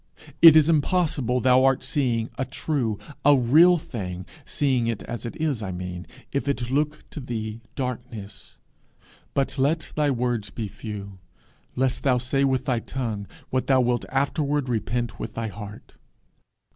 It is impossible thou art seeing a true, a real thing seeing it as it is, I mean if it looks to thee darkness. But let thy words be few, lest thou say with thy tongue what thou wilt afterward repent with thy heart.